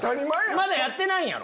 まだやってないんやろ？